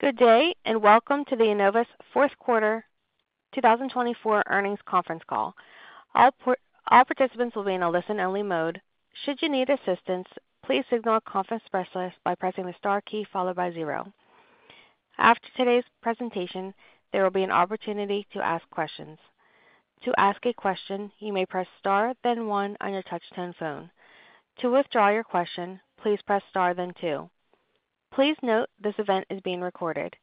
Good day, and welcome to the Enovis Q4 2024 Earnings Conference Call. All participants will be in a listen-only mode. Should you need assistance, please signal a conference specialist by pressing the star key followed by zero. After today's presentation, there will be an opportunity to ask questions. To ask a question, you may press star, then one, on your touch-tone phone. To withdraw your question, please press star, then two. Please note this event is being recorded.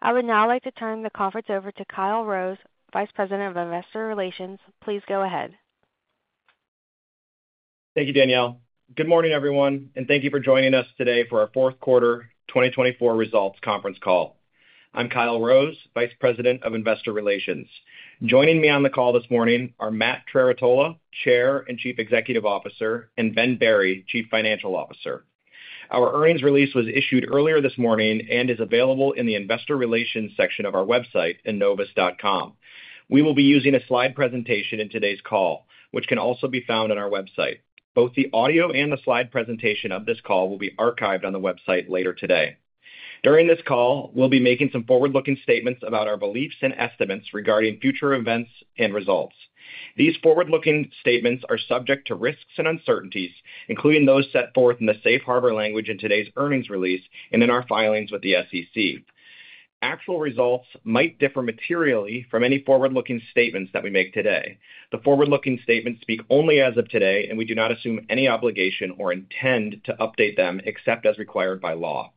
I would now like to turn the conference over to Kyle Rose, VP of Investor Relations. Please go ahead. Thank you, Danielle. Good morning, everyone, and thank you for joining us today for our Q4 2024 results conference call. I'm Kyle Rose, VP of Investor Relations. Joining me on the call this morning are Matt Trerotola, Chair and CEO, and Ben Berry, CFO. Our earnings release was issued earlier this morning and is available in the Investor Relations section of our website at enovis.com. We will be using a slide presentation in today's call, which can also be found on our website. Both the audio and the slide presentation of this call will be archived on the website later today. During this call, we'll be making some forward-looking statements about our beliefs and estimates regarding future events and results. These forward-looking statements are subject to risks and uncertainties, including those set forth in the Safe Harbor language in today's earnings release and in our filings with the SEC. Actual results might differ materially from any forward-looking statements that we make today. The forward-looking statements speak only as of today, and we do not assume any obligation or intend to update them except as required by law.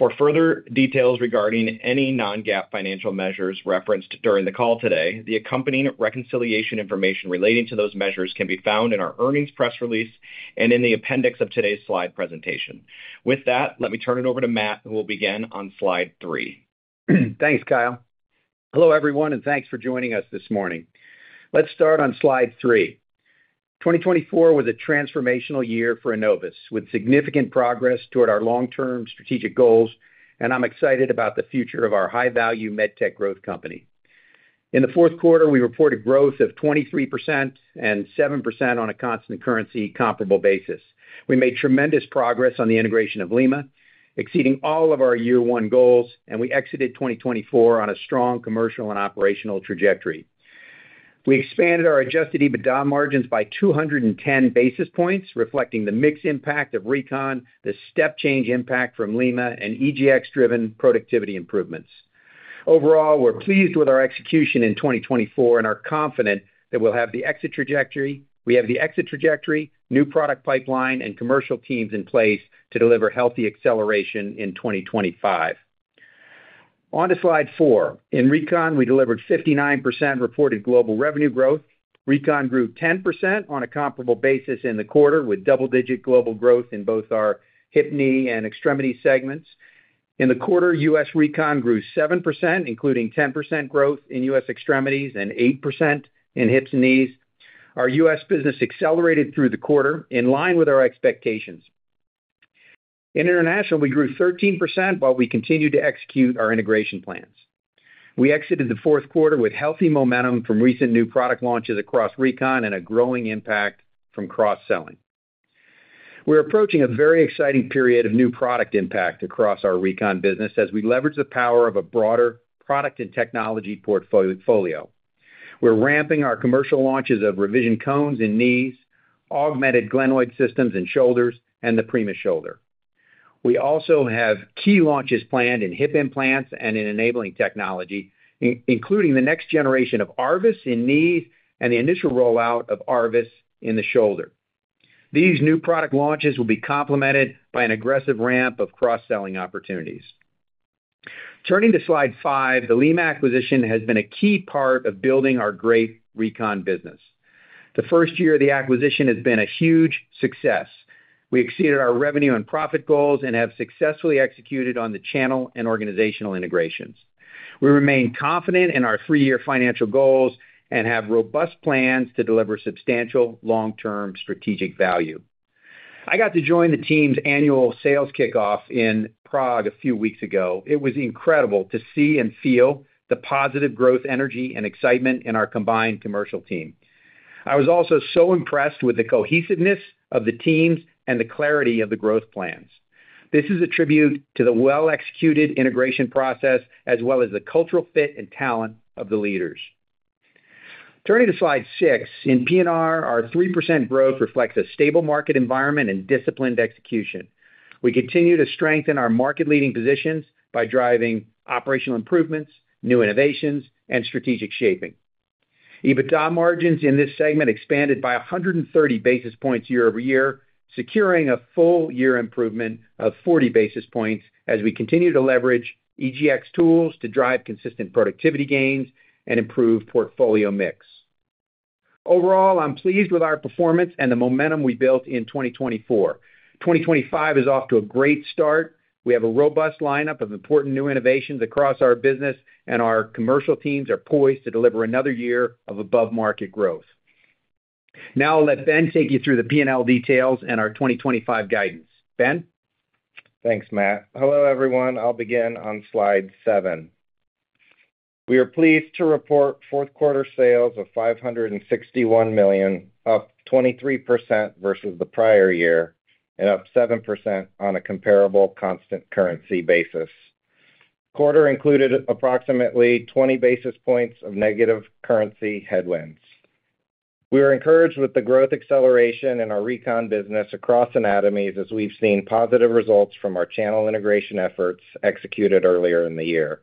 For further details regarding any non-GAAP financial measures referenced during the call today, the accompanying reconciliation information relating to those measures can be found in our earnings press release and in the appendix of today's slide presentation. With that, let me turn it over to Matt, who will begin on slide three. Thanks, Kyle. Hello, everyone, and thanks for joining us this morning. Let's start on slide three. 2024 was a transformational year for Enovis, with significant progress toward our long-term strategic goals, and I'm excited about the future of our high-value MedTech growth company. In the Q4, we reported growth of 23% and 7% on a constant currency comparable basis. We made tremendous progress on the integration of Lima, exceeding all of our year-one goals, and we exited 2024 on a strong commercial and operational trajectory. We expanded our adjusted EBITDA margins by 210 basis points, reflecting the mix impact of Recon, the step-change impact from Lima, and EGX-driven productivity improvements. Overall, we're pleased with our execution in 2024 and are confident that we'll have the exit trajectory. We have the exit trajectory, new product pipeline, and commercial teams in place to deliver healthy acceleration in 2025. On to slide four. In Recon, we delivered 59% reported global revenue growth. Recon grew 10% on a comparable basis in the quarter, with double-digit global growth in both our Hip, Knee, and Extremity segments. In the quarter, U.S. Recon grew 7%, including 10% growth in U.S. Extremities and 8% in Hips and Knees. Our U.S. business accelerated through the quarter in line with our expectations. In International, we grew 13% while we continued to execute our integration plans. We exited the Q4 with healthy momentum from recent new product launches across Recon and a growing impact from cross-selling. We're approaching a very exciting period of new product impact across our Recon business as we leverage the power of a broader product and technology portfolio. We're ramping our commercial launches of revision cones in knees, augmented glenoid systems in shoulders, and the PRIMA shoulder. We also have key launches planned in hip implants and in enabling technology, including the next generation of ARVIS in knees and the initial rollout of ARVIS in the shoulder. These new product launches will be complemented by an aggressive ramp of cross-selling opportunities. Turning to slide five, the Lima acquisition has been a key part of building our great Recon business. The first year of the acquisition has been a huge success. We exceeded our revenue and profit goals and have successfully executed on the channel and organizational integrations. We remain confident in our three-year financial goals and have robust plans to deliver substantial long-term strategic value. I got to join the team's annual sales kickoff in Prague a few weeks ago. It was incredible to see and feel the positive growth, energy, and excitement in our combined commercial team. I was also so impressed with the cohesiveness of the teams and the clarity of the growth plans. This is a tribute to the well-executed integration process as well as the cultural fit and talent of the leaders. Turning to slide six, in P&R, our 3% growth reflects a stable market environment and disciplined execution. We continue to strengthen our market-leading positions by driving operational improvements, new innovations, and strategic shaping. EBITDA margins in this segment expanded by 130 basis points year-over-year, securing a full-year improvement of 40 basis points as we continue to leverage EGX tools to drive consistent productivity gains and improve portfolio mix. Overall, I'm pleased with our performance and the momentum we built in 2024. 2025 is off to a great start. We have a robust lineup of important new innovations across our business, and our commercial teams are poised to deliver another year of above-market growth. Now, I'll let Ben take you through the P&L details and our 2025 guidance. Ben? Thanks, Matt. Hello, everyone. I'll begin on slide seven. We are pleased to report Q4 sales of $561 million, up 23% versus the prior year and up 7% on a comparable constant currency basis. Quarter included approximately 20 basis points of negative currency headwinds. We are encouraged with the growth acceleration in our Recon business across anatomies as we've seen positive results from our channel integration efforts executed earlier in the year.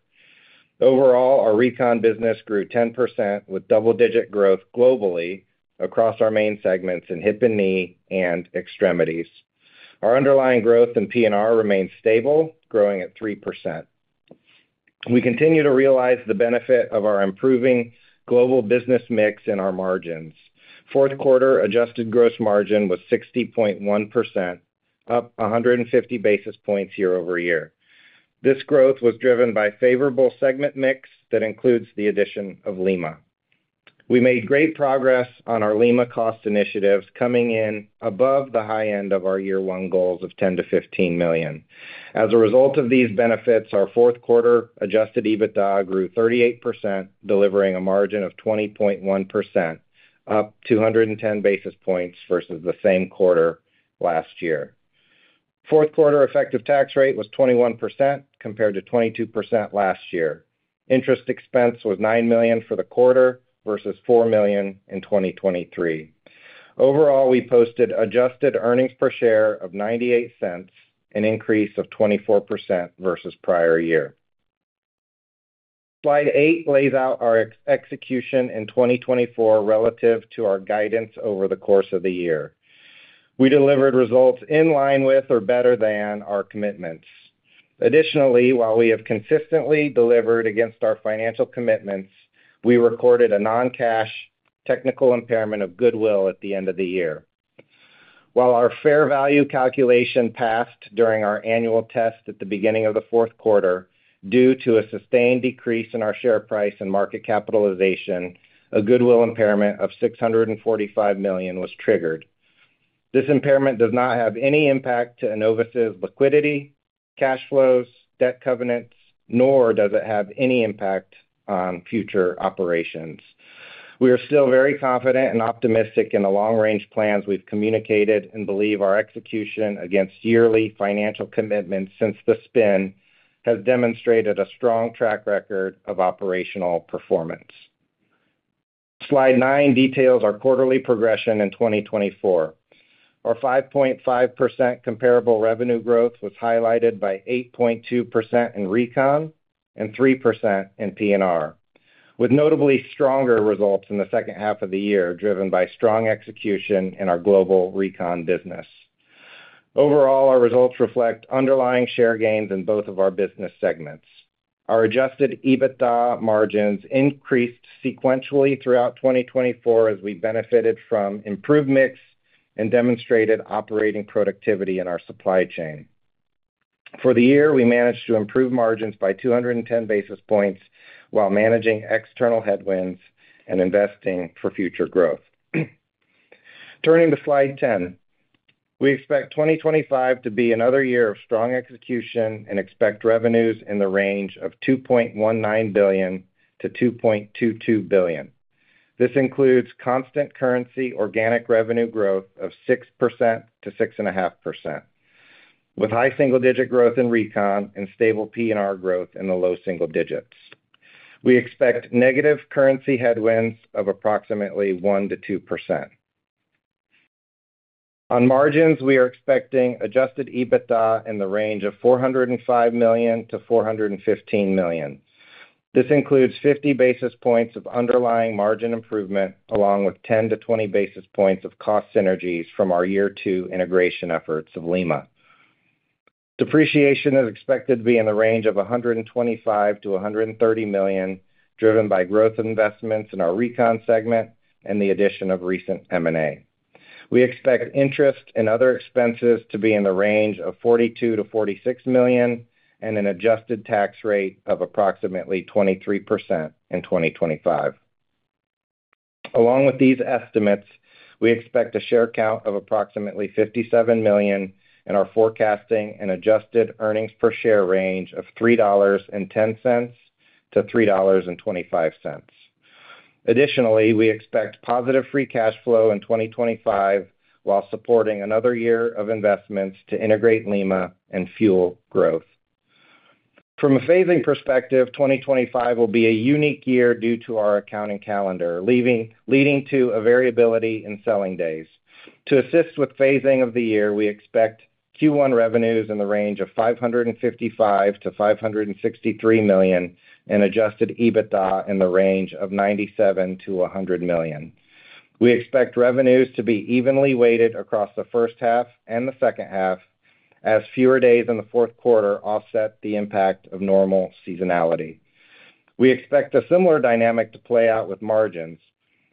Overall, our Recon business grew 10% with double-digit growth globally across our main segments in Hip and Knee and Extremities. Our underlying growth in P&R remains stable, growing at 3%. We continue to realize the benefit of our improving global business mix in our margins. Q4 adjusted gross margin was 60.1%, up 150 basis points year-over-year. This growth was driven by favorable segment mix that includes the addition of Lima. We made great progress on our Lima cost initiatives, coming in above the high end of our year-one goals of $10-$15 million. As a result of these benefits, our Q4 Adjusted EBITDA grew 38%, delivering a margin of 20.1%, up 210 basis points versus the same quarter last year. Q4 effective tax rate was 21% compared to 22% last year. Interest expense was $9 million for the quarter versus $4 million in 2023. Overall, we posted adjusted earnings per share of $0.98, an increase of 24% versus prior year. Slide eight lays out our execution in 2024 relative to our guidance over the course of the year. We delivered results in line with or better than our commitments. Additionally, while we have consistently delivered against our financial commitments, we recorded a non-cash goodwill impairment at the end of the year. While our fair value calculation passed during our annual test at the beginning of the Q4, due to a sustained decrease in our share price and market capitalization, a goodwill impairment of $645 million was triggered. This impairment does not have any impact to Enovis's liquidity, cash flows, debt covenants, nor does it have any impact on future operations. We are still very confident and optimistic in the long-range plans we've communicated and believe our execution against yearly financial commitments since the spin has demonstrated a strong track record of operational performance. Slide nine details our quarterly progression in 2024. Our 5.5% comparable revenue growth was highlighted by 8.2% in Recon and 3% in P&R, with notably stronger results in the second half of the year driven by strong execution in our global Recon business. Overall, our results reflect underlying share gains in both of our business segments. Our adjusted EBITDA margins increased sequentially throughout 2024 as we benefited from improved mix and demonstrated operating productivity in our supply chain. For the year, we managed to improve margins by 210 basis points while managing external headwinds and investing for future growth. Turning to slide 10, we expect 2025 to be another year of strong execution and expect revenues in the range of $2.19 billion-$2.22 billion. This includes constant currency organic revenue growth of 6%-6.5%, with high single-digit growth in Recon and stable P&R growth in the low single digits. We expect negative currency headwinds of approximately 1%-2%. On margins, we are expecting adjusted EBITDA in the range of $405 million-$415 million. This includes 50 basis points of underlying margin improvement, along with 10 to 20 basis points of cost synergies from our year-two integration efforts of Lima. Depreciation is expected to be in the range of $125 million-$130 million, driven by growth investments in our Recon segment and the addition of recent M&A. We expect interest and other expenses to be in the range of $42 million-$46 million and an adjusted tax rate of approximately 23% in 2025. Along with these estimates, we expect a share count of approximately 57 million and our forecasting and adjusted earnings per share range of $3.10-$3.25. Additionally, we expect positive free cash flow in 2025 while supporting another year of investments to integrate Lima and fuel growth. From a phasing perspective, 2025 will be a unique year due to our accounting calendar, leading to a variability in selling days. To assist with phasing of the year, we expect Q1 revenues in the range of $555 million-$563 million and adjusted EBITDA in the range of $97 million-$100 million. We expect revenues to be evenly weighted across the first half and the second half, as fewer days in the Q4 offset the impact of normal seasonality. We expect a similar dynamic to play out with margins.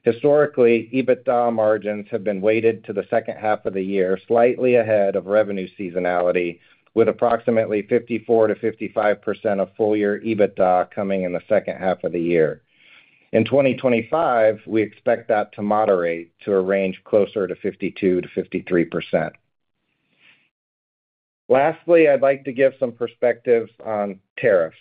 Historically, EBITDA margins have been weighted to the second half of the year slightly ahead of revenue seasonality, with approximately 54%-55% of full-year EBITDA coming in the second half of the year. In 2025, we expect that to moderate to a range closer to 52%-53%. Lastly, I'd like to give some perspectives on tariffs.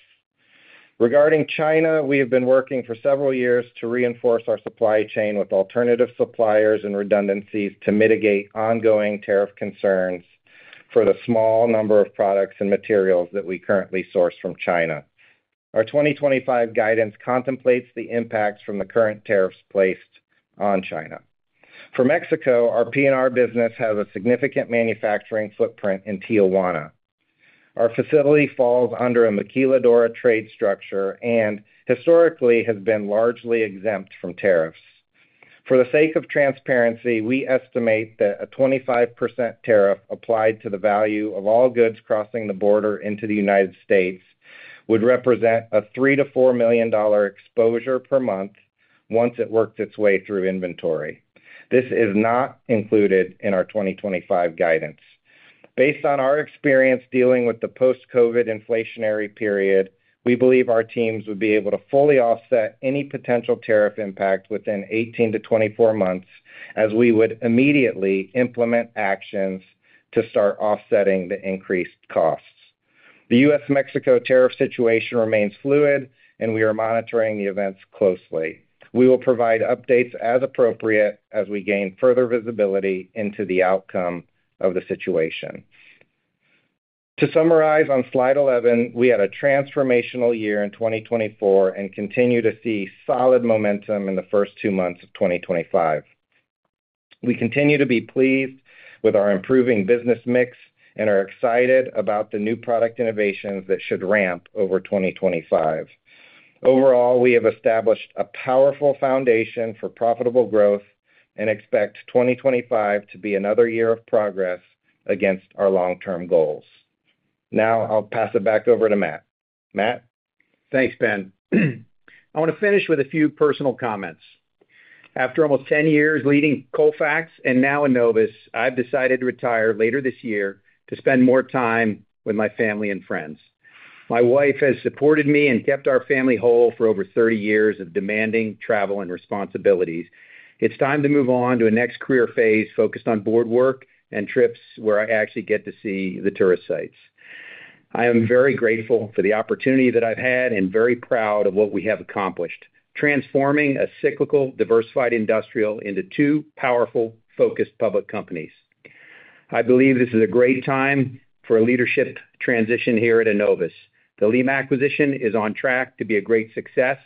Regarding China, we have been working for several years to reinforce our supply chain with alternative suppliers and redundancies to mitigate ongoing tariff concerns for the small number of products and materials that we currently source from China. Our 2025 guidance contemplates the impacts from the current tariffs placed on China. For Mexico, our P&R business has a significant manufacturing footprint in Tijuana. Our facility falls under a maquiladora trade structure and historically has been largely exempt from tariffs. For the sake of transparency, we estimate that a 25% tariff applied to the value of all goods crossing the border into the United States would represent a $3 million-$4 million exposure per month once it works its way through inventory. This is not included in our 2025 guidance. Based on our experience dealing with the post-COVID inflationary period, we believe our teams would be able to fully offset any potential tariff impact within 18-24 months as we would immediately implement actions to start offsetting the increased costs. The U.S.-Mexico tariff situation remains fluid, and we are monitoring the events closely. We will provide updates as appropriate as we gain further visibility into the outcome of the situation. To summarize on slide 11, we had a transformational year in 2024 and continue to see solid momentum in the first two months of 2025. We continue to be pleased with our improving business mix and are excited about the new product innovations that should ramp over 2025. Overall, we have established a powerful foundation for profitable growth and expect 2025 to be another year of progress against our long-term goals. Now, I'll pass it back over to Matt. Matt? Thanks, Ben. I want to finish with a few personal comments. After almost 10 years leading Colfax and now Enovis, I've decided to retire later this year to spend more time with my family and friends. My wife has supported me and kept our family whole for over 30 years of demanding travel and responsibilities. It's time to move on to a next career phase focused on board work and trips where I actually get to see the tourist sites. I am very grateful for the opportunity that I've had and very proud of what we have accomplished, transforming a cyclical diversified industrial into two powerful, focused public companies. I believe this is a great time for a leadership transition here at Enovis. The Lima acquisition is on track to be a great success.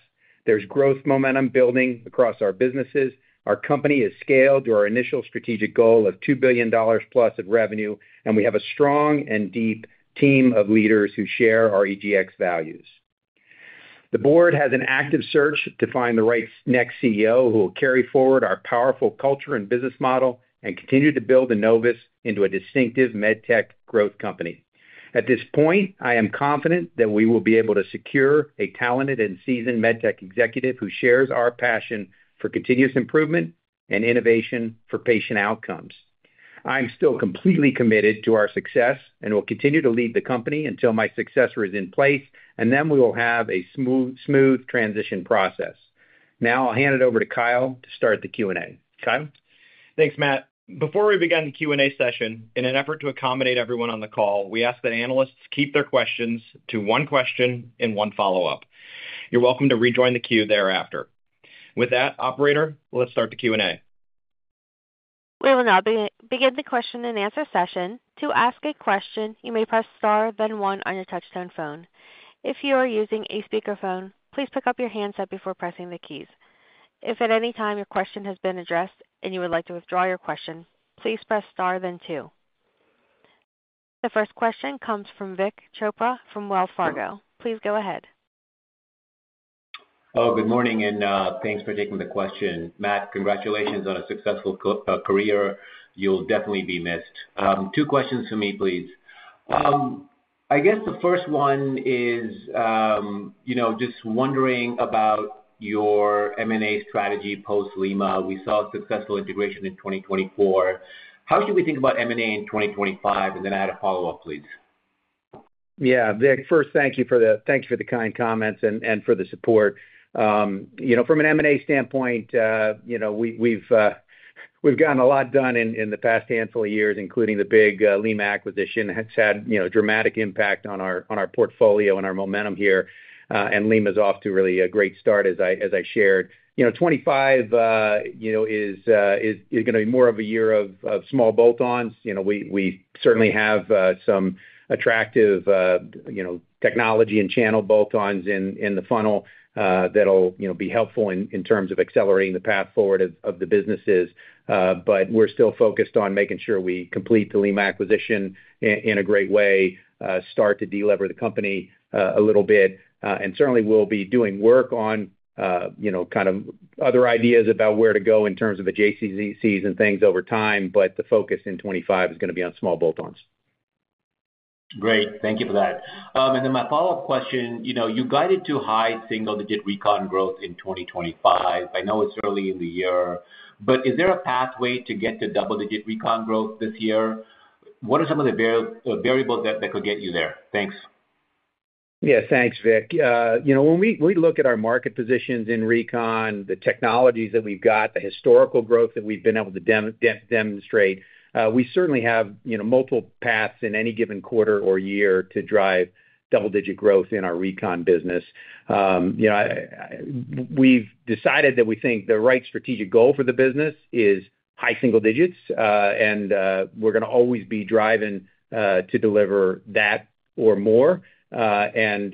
There's growth momentum building across our businesses. Our company is scaled to our initial strategic goal of $2 billion plus of revenue, and we have a strong and deep team of leaders who share our EGX values. The Board has an active search to find the right next CEO who will carry forward our powerful culture and business model and continue to build Enovis into a distinctive medtech growth company. At this point, I am confident that we will be able to secure a talented and seasoned medtech executive who shares our passion for continuous improvement and innovation for patient outcomes. I'm still completely committed to our success and will continue to lead the company until my successor is in place, and then we will have a smooth transition process. Now, I'll hand it over to Kyle to start the Q&A. Kyle? Thanks, Matt. Before we begin the Q&A session, in an effort to accommodate everyone on the call, we ask that analysts keep their questions to one question and one follow-up. You're welcome to rejoin the queue thereafter. With that, operator, let's start the Q&A. We will now begin the question and answer session. To ask a question, you may press star, then one on your touch-tone phone. If you are using a speakerphone, please pick up your handset before pressing the keys. If at any time your question has been addressed and you would like to withdraw your question, please press star, then two. The first question comes from Vik Chopra from Wells Fargo. Please go ahead. Oh, good morning and thanks for taking the question. Matt, congratulations on a successful career. You'll definitely be missed. Two questions for me, please. I guess the first one is just wondering about your M&A strategy post-Lima. We saw a successful integration in 2024. How should we think about M&A in 2025? And then I had a follow-up, please. Yeah, Vik, first, thank you for the kind comments and for the support. From an M&A standpoint, we've gotten a lot done in the past handful of years, including the big Lima acquisition. It's had a dramatic impact on our portfolio and our momentum here, and Lima is off to really a great start, as I shared. 2025 is going to be more of a year of small bolt-ons. We certainly have some attractive technology and channel bolt-ons in the funnel that'll be helpful in terms of accelerating the path forward of the businesses. But we're still focused on making sure we complete the Lima acquisition in a great way, start to deliver the company a little bit, and certainly, we'll be doing work on kind of other ideas about where to go in terms of adjacencies and things over time. But the focus in 2025 is going to be on small bolt-ons. Great. Thank you for that. And then my follow-up question, you guided to high single-digit Recon growth in 2025. I know it's early in the year, but is there a pathway to get to double-digit Recon growth this year? What are some of the variables that could get you there? Thanks. Yeah, thanks, Vik. When we look at our market positions in Recon, the technologies that we've got, the historical growth that we've been able to demonstrate, we certainly have multiple paths in any given quarter or year to drive double-digit growth in our Recon business. We've decided that we think the right strategic goal for the business is high single digits, and we're going to always be driving to deliver that or more. And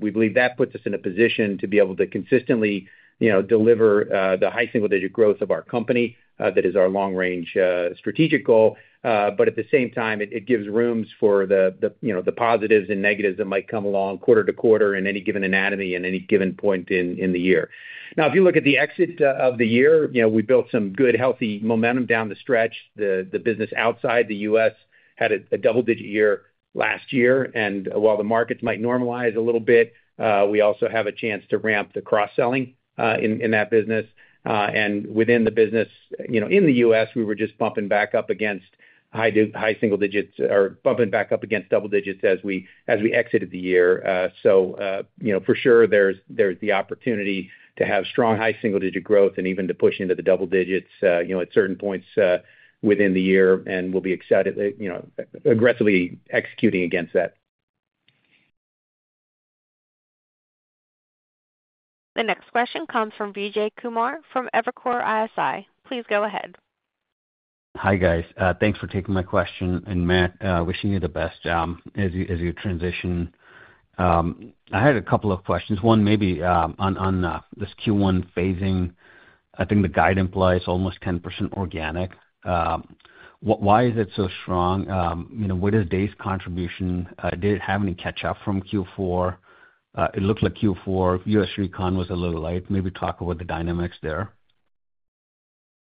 we believe that puts us in a position to be able to consistently deliver the high single-digit growth of our company that is our long-range strategic goal. But at the same time, it gives rooms for the positives and negatives that might come along quarter-to-quarter in any given anatomy at any given point in the year. Now, if you look at the exit of the year, we built some good, healthy momentum down the stretch. The business outside the U.S. had a double-digit year last year, and while the markets might normalize a little bit, we also have a chance to ramp the cross-selling in that business, and within the business in the U.S., we were just bumping back up against high single digits or bumping back up against double digits as we exited the year, so for sure, there's the opportunity to have strong high single-digit growth and even to push into the double digits at certain points within the year, and we'll be excited, aggressively executing against that. The next question comes from Vijay Kumar from Evercore ISI. Please go ahead. Hi, guys. Thanks for taking my question and Matt, wishing you the best as you transition. I had a couple of questions. One, maybe on this Q1 phasing, I think the guide implies almost 10% organic. Why is it so strong? What is days contribution? Did it have any catch-up from Q4? It looked like Q4 U.S. Recon was a little light. Maybe talk about the dynamics there.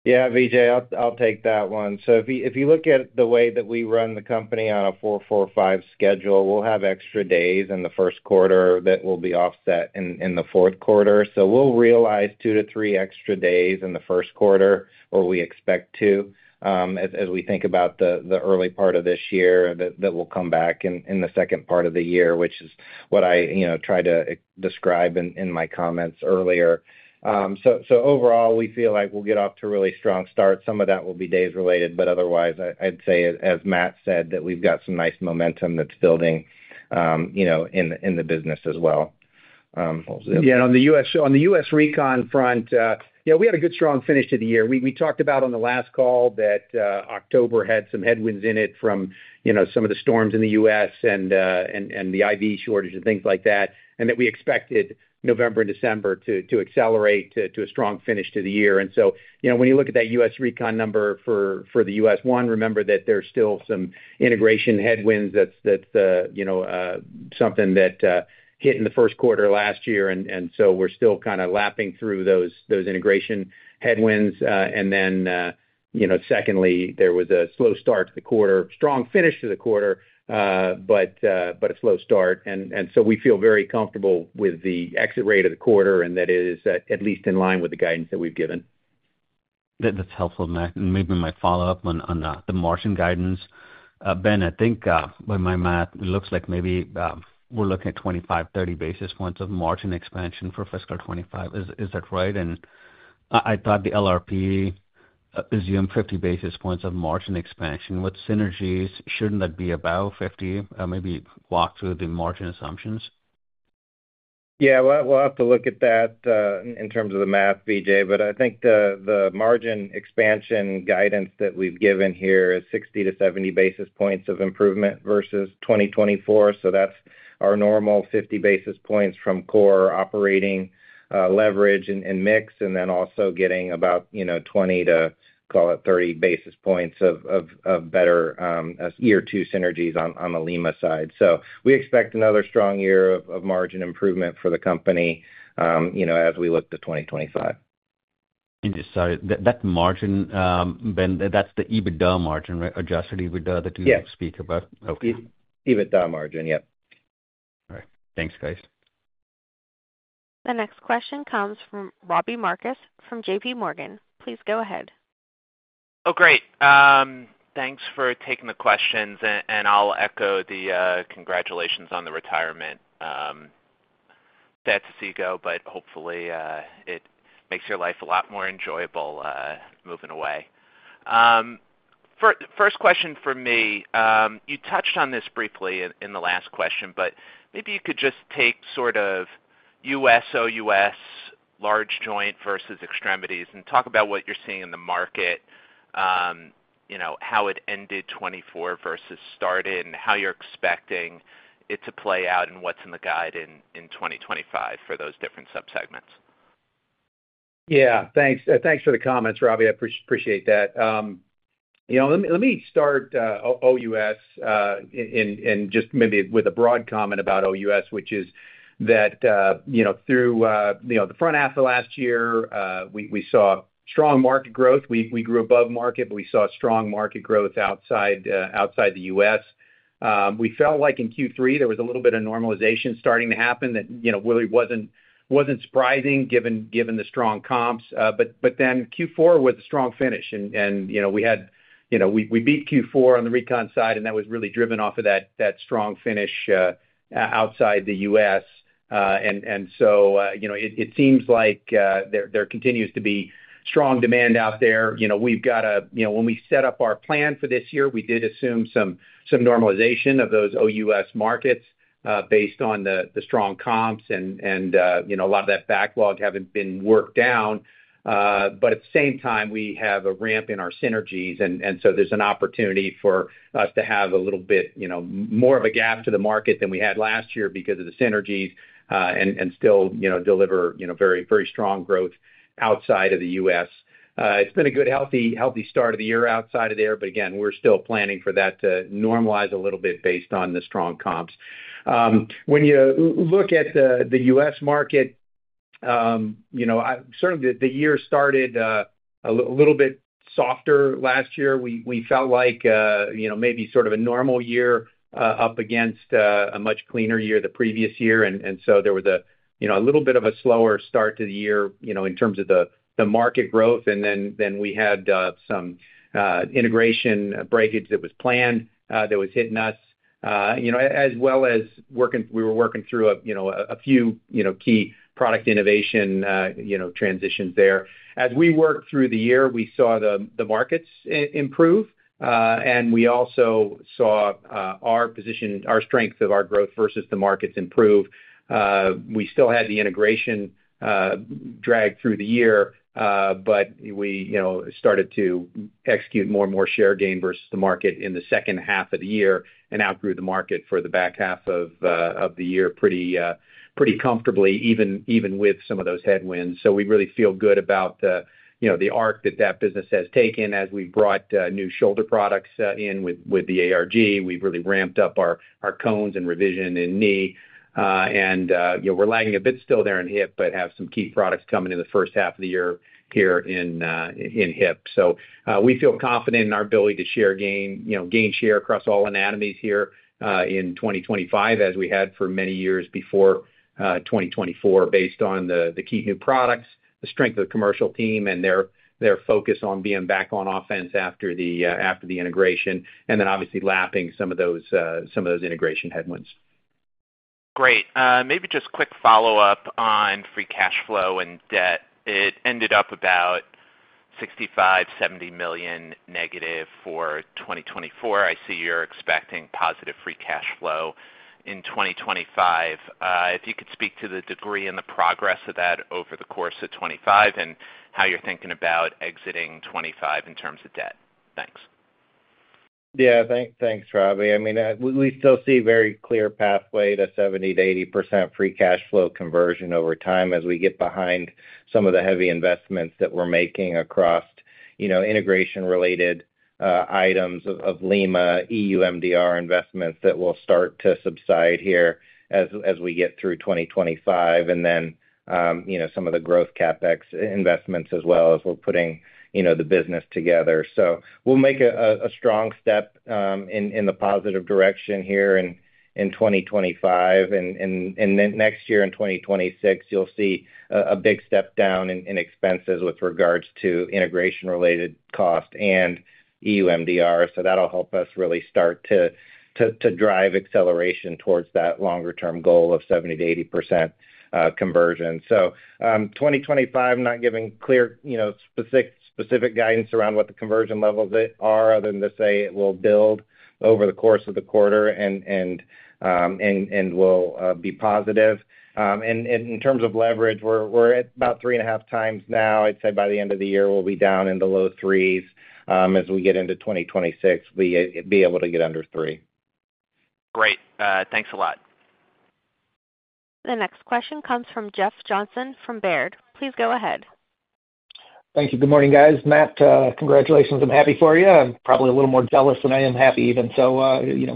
Yeah, Vijay, I'll take that one. So if you look at the way that we run the company on a 4-4-5 schedule, we'll have extra days in the Q1 that will be offset in the Q4. So we'll realize two to three extra days in the Q1, or we expect to, as we think about the early part of this year that will come back in the second part of the year, which is what I tried to describe in my comments earlier. So overall, we feel like we'll get off to a really strong start. Some of that will be days related, but otherwise, I'd say, as Matt said, that we've got some nice momentum that's building in the business as well. Yeah, on the U.S. Recon front, yeah, we had a good, strong finish to the year. We talked about on the last call that October had some headwinds in it from some of the storms in the U.S. and the IV shortage and things like that, and that we expected November and December to accelerate to a strong finish to the year. And so when you look at that U.S. Recon number for the U.S., one, remember that there's still some integration headwinds. That's something that hit in the Q1 last year. And so we're still kind of lapping through those integration headwinds. And then secondly, there was a slow start to the quarter, strong finish to the quarter, but a slow start. And so we feel very comfortable with the exit rate of the quarter, and that is at least in line with the guidance that we've given. That's helpful, Matt, and maybe my follow-up on the margin guidance. Ben, I think by my math, it looks like maybe we're looking at 25-30 basis points of margin expansion for fiscal 2025. Is that right? And I thought the LRP assumes 50 basis points of margin expansion. With synergies, shouldn't that be about 50? Maybe walk through the margin assumptions. Yeah, we'll have to look at that in terms of the math, Vijay. But I think the margin expansion guidance that we've given here is 60-70 basis points of improvement versus 2024. So that's our normal 50 basis points from core operating leverage and mix, and then also getting about 20 to, call it, 30 basis points of better year-two synergies on the Lima side. So we expect another strong year of margin improvement for the company as we look to 2025. You said that margin, Ben, that's the EBITDA margin, right? Adjusted EBITDA, the two you speak about? Yep. EBITDA margin, yep. All right. Thanks, guys. The next question comes from Robbie Marcus from JPMorgan. Please go ahead. Oh, great. Thanks for taking the questions. And I'll echo the congratulations on the retirement. Fantastic, but hopefully, it makes your life a lot more enjoyable moving away. First question for me, you touched on this briefly in the last question, but maybe you could just take sort of U.S.-OUS large joint versus Extremities and talk about what you're seeing in the market, how it ended 2024 versus started, and how you're expecting it to play out and what's in the guide in 2025 for those different subsegments. Yeah, thanks. Thanks for the comments, Robbie. I appreciate that. Let me start OUS and just maybe with a broad comment about OUS, which is that through the front half of last year, we saw strong market growth. We grew above market, but we saw strong market growth outside the U.S. We felt like in Q3, there was a little bit of normalization starting to happen that really wasn't surprising given the strong comps. But then Q4 was a strong finish. And we beat Q4 on the Recon side, and that was really driven off of that strong finish outside the U.S. And so it seems like there continues to be strong demand out there. We've got when we set up our plan for this year, we did assume some normalization of those OUS markets based on the strong comps and a lot of that backlog having been worked down, but at the same time, we have a ramp in our synergies, and so there's an opportunity for us to have a little bit more of a gap to the market than we had last year because of the synergies and still deliver very strong growth outside of the U.S. It's been a good, healthy start of the year outside of there, but again, we're still planning for that to normalize a little bit based on the strong comps. When you look at the U.S. market, certainly, the year started a little bit softer last year. We felt like maybe sort of a normal year up against a much cleaner year the previous year. And so there was a little bit of a slower start to the year in terms of the market growth. And then we had some integration breakage that was planned that was hitting us, as well as we were working through a few key product innovation transitions there. As we worked through the year, we saw the markets improve, and we also saw our strength of our growth versus the markets improve. We still had the integration drag through the year, but we started to execute more and more share gain versus the market in the second half of the year and outgrew the market for the back half of the year pretty comfortably, even with some of those headwinds. So we really feel good about the arc that that business has taken as we've brought new shoulder products in with the ARVIS. We've really ramped up our cones and revision in Knee. And we're lagging a bit still there in Hip, but have some key products coming in the first half of the year here in Hip. So we feel confident in our ability to gain share across all anatomies here in 2025, as we had for many years before 2024, based on the key new products, the strength of the commercial team, and their focus on being back on offense after the integration, and then obviously lapping some of those integration headwinds. Great. Maybe just quick follow-up on free cash flow and debt. It ended up about $65 million-$70 million negative for 2024. I see you're expecting positive free cash flow in 2025. If you could speak to the degree and the progress of that over the course of 2025 and how you're thinking about exiting 2025 in terms of debt? Thanks. Yeah, thanks, Robbie. I mean, we still see a very clear pathway to 70%-80% free cash flow conversion over time as we get behind some of the heavy investments that we're making across integration-related items of Lima, EU MDR investments that will start to subside here as we get through 2025, and then some of the growth CapEx investments as well as we're putting the business together, so we'll make a strong step in the positive direction here in 2025, and then next year in 2026, you'll see a big step down in expenses with regards to integration-related cost and EU MDR, so that'll help us really start to drive acceleration towards that longer-term goal of 70%-80% conversion. So 2025, I'm not giving clear specific guidance around what the conversion levels are other than to say it will build over the course of the quarter and will be positive. And in terms of leverage, we're at about three and a half times now. I'd say by the end of the year, we'll be down in the low threes as we get into 2026. We'll be able to get under three. Great. Thanks a lot. The next question comes from Jeff Johnson from Baird. Please go ahead. Thank you. Good morning, guys. Matt, congratulations. I'm happy for you. I'm probably a little more jealous than I am happy even. So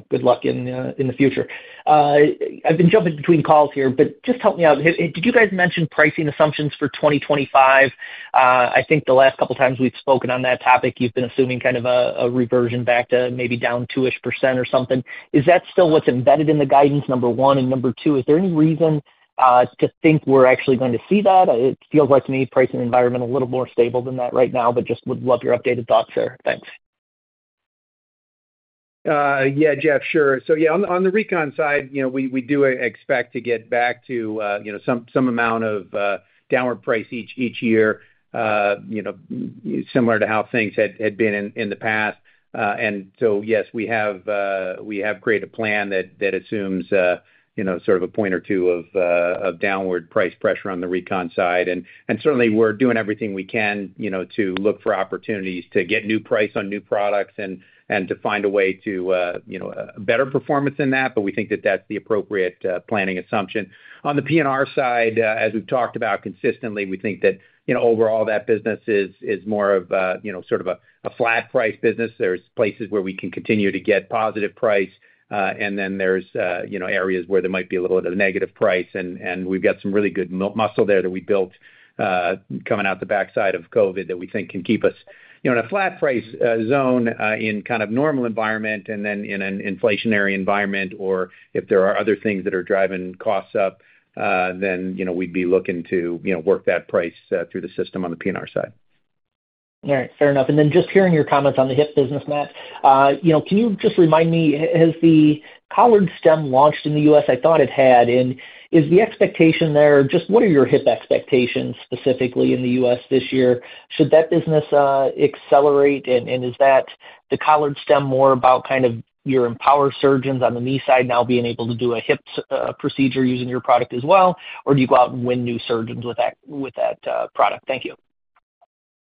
good luck in the future. I've been jumping between calls here, but just help me out. Did you guys mention pricing assumptions for 2025? I think the last couple of times we've spoken on that topic, you've been assuming kind of a reversion back to maybe down 2-ish% or something. Is that still what's embedded in the guidance, number one? And number two, is there any reason to think we're actually going to see that? It feels like to me, pricing environment a little more stable than that right now, but just would love your updated thoughts there. Thanks. Yeah, Jeff, sure. So yeah, on the Recon side, we do expect to get back to some amount of downward price each year, similar to how things had been in the past. And so yes, we have created a plan that assumes sort of a point or two of downward price pressure on the Recon side. And certainly, we're doing everything we can to look for opportunities to get new price on new products and to find a way to better performance in that. But we think that that's the appropriate planning assumption. On the P&R side, as we've talked about consistently, we think that overall, that business is more of sort of a flat price business. There's places where we can continue to get positive price, and then there's areas where there might be a little bit of negative price. We've got some really good muscle there that we built coming out the backside of COVID that we think can keep us in a flat price zone in kind of normal environment and then in an inflationary environment, or if there are other things that are driving costs up, then we'd be looking to work that price through the system on the P&R side. All right. Fair enough. And then just hearing your comments on the Hip business, Matt, can you just remind me, has the collared stem launched in the U.S.? I thought it had. And is the expectation there just what are your hip expectations specifically in the U.S. this year? Should that business accelerate? And is that the collared stem more about kind of your EMPOWR surgeons on the Knee side now being able to do a hip procedure using your product as well, or do you go out and win new surgeons with that product? Thank you.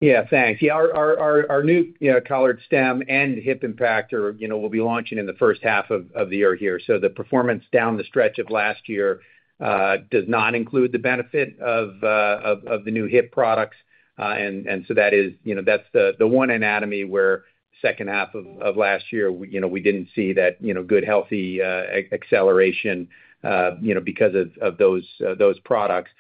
Yeah, thanks. Yeah, our new collared stem and hip impactor will be launching in the first half of the year here. So the performance down the stretch of last year does not include the benefit of the new hip products. And so that's the one anatomy where the second half of last year, we didn't see that good, healthy acceleration because of those products.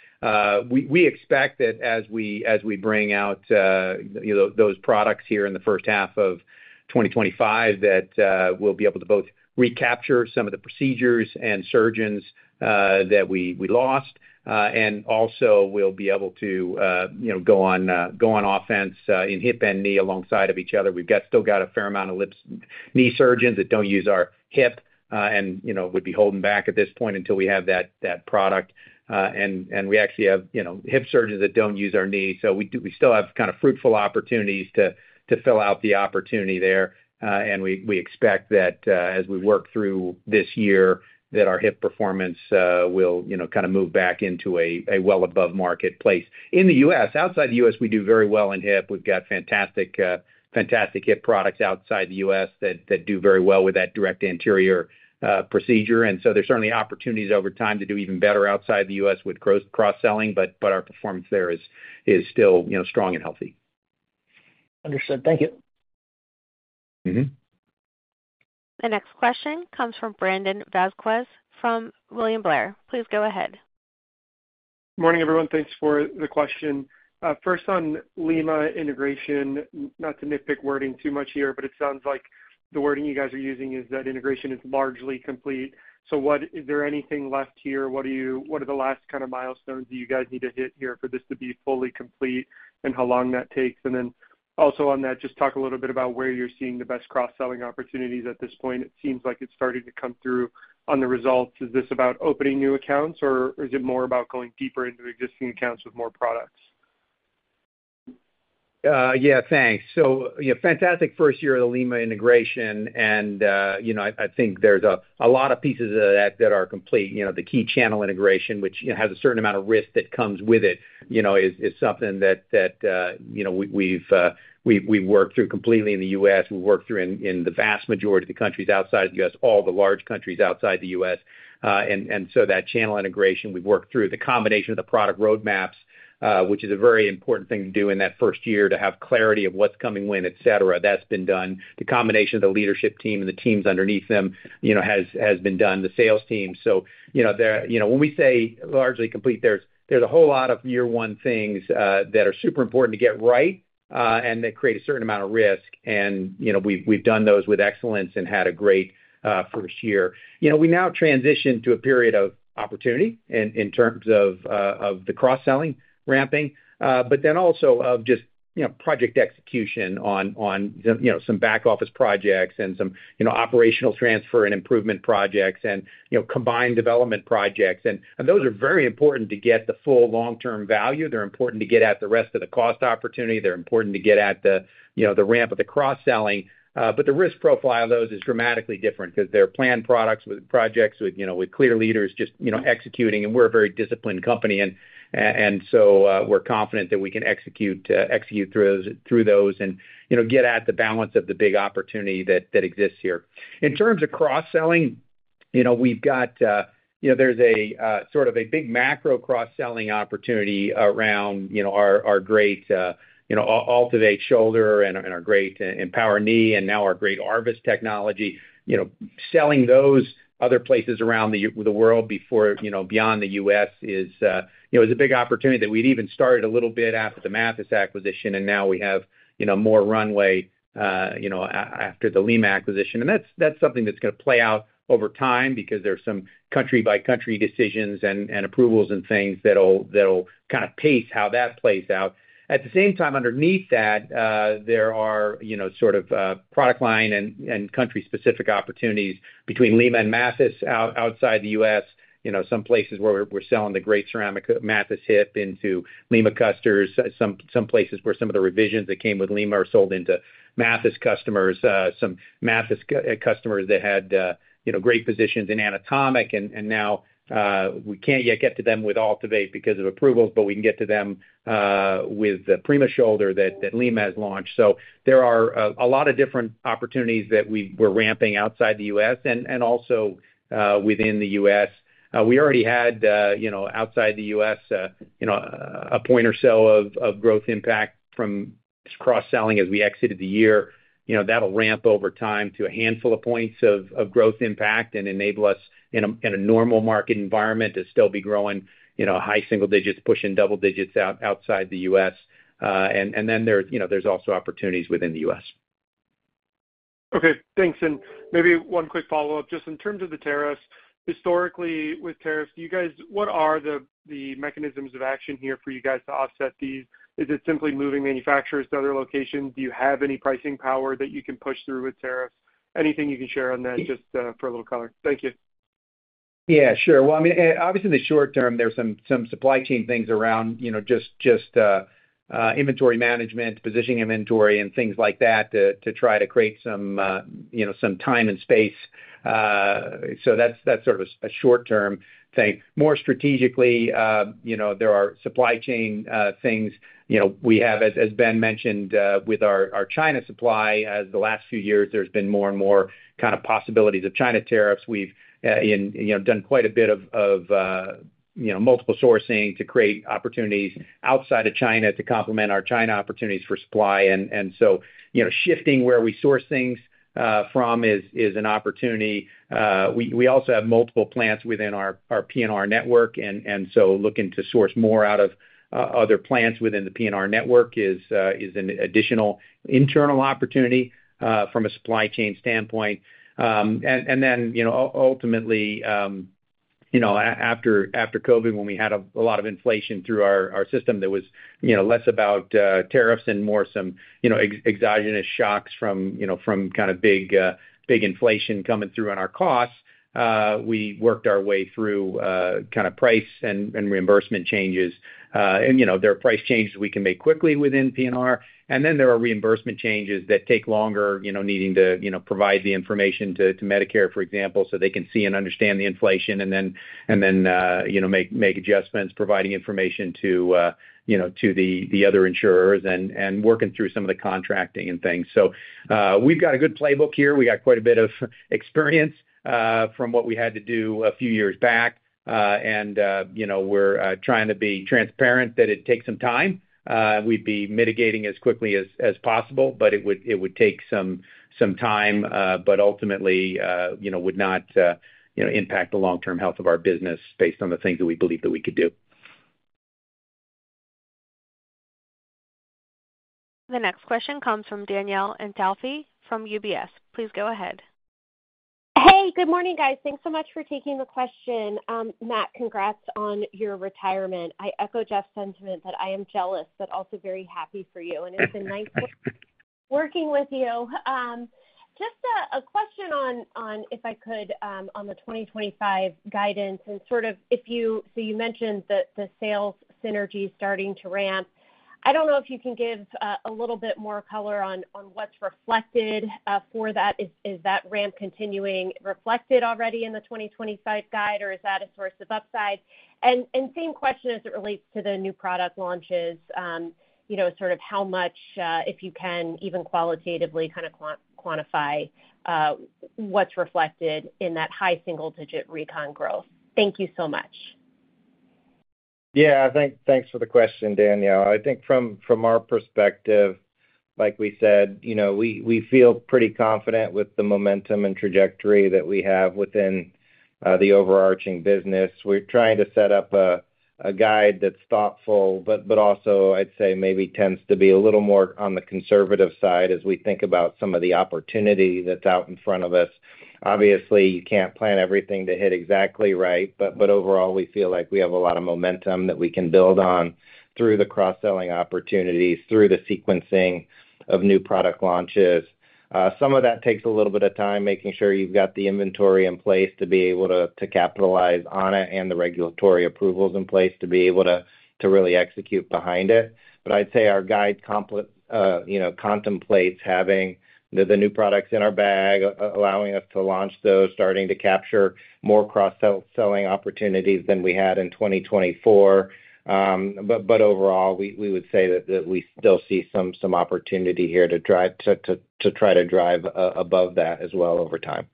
We expect that as we bring out those products here in the first half of 2025, that we'll be able to both recapture some of the procedures and surgeons that we lost, and also we'll be able to go on offense in hip and knee alongside of each other. We've still got a fair amount of knee surgeons that don't use our hip and would be holding back at this point until we have that product. And we actually have hip surgeons that don't use our knee. So we still have kind of fruitful opportunities to fill out the opportunity there. And we expect that as we work through this year, that our hip performance will kind of move back into a well-above marketplace in the U.S. Outside the U.S., we do very well in hip. We've got fantastic hip products outside the U.S. that do very well with that direct anterior procedure. And so there's certainly opportunities over time to do even better outside the U.S. with cross-selling, but our performance there is still strong and healthy. Understood. Thank you. The next question comes from Brandon Vazquez from William Blair. Please go ahead. Morning, everyone. Thanks for the question. First, on Lima integration, not to nitpick wording too much here, but it sounds like the wording you guys are using is that integration is largely complete. So is there anything left here? What are the last kind of milestones that you guys need to hit here for this to be fully complete and how long that takes? And then also on that, just talk a little bit about where you're seeing the best cross-selling opportunities at this point. It seems like it's starting to come through on the results. Is this about opening new accounts, or is it more about going deeper into existing accounts with more products? Yeah, thanks. So, fantastic first year of the Lima integration. And I think there's a lot of pieces of that that are complete. The key channel integration, which has a certain amount of risk that comes with it, is something that we've worked through completely in the U.S. We've worked through in the vast majority of the countries outside of the U.S., all the large countries outside the U.S. And so that channel integration, we've worked through the combination of the product roadmaps, which is a very important thing to do in that first year to have clarity of what's coming when, etc. That's been done. The combination of the leadership team and the teams underneath them has been done. The sales team. So when we say largely complete, there's a whole lot of year-one things that are super important to get right and that create a certain amount of risk. And we've done those with excellence and had a great first year. We now transition to a period of opportunity in terms of the cross-selling ramping, but then also of just project execution on some back office projects and some operational transfer and improvement projects and combined development projects. And those are very important to get the full long-term value. They're important to get at the rest of the cost opportunity. They're important to get at the ramp of the cross-selling. But the risk profile of those is dramatically different because they're planned products with projects with clear leaders just executing. And we're a very disciplined company. And so we're confident that we can execute through those and get at the balance of the big opportunity that exists here. In terms of cross-selling, we've got, there's a sort of a big macro cross-selling opportunity around our great AltiVate shoulder and our great EMPOWR knee and now our great ARVIS technology. Selling those other places around the world beyond the U.S. is a big opportunity that we'd even started a little bit after the Mathys acquisition, and now we have more runway after the Lima acquisition, and that's something that's going to play out over time because there's some country-by-country decisions and approvals and things that'll kind of pace how that plays out. At the same time, underneath that, there are sort of product line and country-specific opportunities between Lima and Mathys outside the U.S., some places where we're selling the great ceramic Mathys hip into Lima customers, some places where some of the revisions that came with Lima are sold into Mathys customers, some Mathys customers that had great positions in anatomic, and now we can't yet get to them with AltiVate because of approvals, but we can get to them with the PRIMA shoulder that Lima has launched, so there are a lot of different opportunities that we're ramping outside the U.S. and also within the U.S. We already had outside the U.S. a point or so of growth impact from cross-selling as we exited the year. That'll ramp over time to a handful of points of growth impact and enable us in a normal market environment to still be growing high single digits, pushing double digits outside the U.S., and then there's also opportunities within the U.S. Okay. Thanks. And maybe one quick follow-up. Just in terms of the tariffs, historically with tariffs, what are the mechanisms of action here for you guys to offset these? Is it simply moving manufacturers to other locations? Do you have any pricing power that you can push through with tariffs? Anything you can share on that just for a little color? Thank you. Yeah, sure. Well, I mean, obviously, in the short term, there's some supply chain things around just inventory management, positioning inventory, and things like that to try to create some time and space. So that's sort of a short-term thing. More strategically, there are supply chain things. We have, as Ben mentioned, with our China supply. As the last few years, there's been more and more kind of possibilities of China tariffs. We've done quite a bit of multiple sourcing to create opportunities outside of China to complement our China opportunities for supply. And so shifting where we source things from is an opportunity. We also have multiple plants within our P&R network. And so looking to source more out of other plants within the P&R network is an additional internal opportunity from a supply chain standpoint. And then ultimately, after COVID, when we had a lot of inflation through our system, there was less about tariffs and more some exogenous shocks from kind of big inflation coming through on our costs. We worked our way through kind of price and reimbursement changes. And there are price changes we can make quickly within P&R. And then there are reimbursement changes that take longer, needing to provide the information to Medicare, for example, so they can see and understand the inflation and then make adjustments, providing information to the other insurers and working through some of the contracting and things. So we've got a good playbook here. We got quite a bit of experience from what we had to do a few years back. And we're trying to be transparent that it takes some time. We'd be mitigating as quickly as possible, but it would take some time, but ultimately would not impact the long-term health of our business based on the things that we believe that we could do. The next question comes from Danielle Antalffy from UBS. Please go ahead. Hey, good morning, guys. Thanks so much for taking the question. Matt, congrats on your retirement. I echo Jeff's sentiment that I am jealous, but also very happy for you. And it's been nice working with you. Just a question on, if I could, on the 2025 guidance and sort of, so you mentioned the sales synergy starting to ramp. I don't know if you can give a little bit more color on what's reflected for that. Is that ramp continuing reflected already in the 2025 guide, or is that a source of upside? And same question as it relates to the new product launches, sort of how much, if you can even qualitatively kind of quantify what's reflected in that high single-digit Recon growth. Thank you so much. Yeah, thanks for the question, Danielle. I think from our perspective, like we said, we feel pretty confident with the momentum and trajectory that we have within the overarching business. We're trying to set up a guide that's thoughtful, but also, I'd say maybe tends to be a little more on the conservative side as we think about some of the opportunity that's out in front of us. Obviously, you can't plan everything to hit exactly right, but overall, we feel like we have a lot of momentum that we can build on through the cross-selling opportunities, through the sequencing of new product launches. Some of that takes a little bit of time, making sure you've got the inventory in place to be able to capitalize on it and the regulatory approvals in place to be able to really execute behind it. But I'd say our guide contemplates having the new products in our bag, allowing us to launch those, starting to capture more cross-selling opportunities than we had in 2024. But overall, we would say that we still see some opportunity here to try to drive above that as well over time.